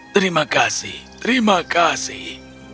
terima kasih terima kasih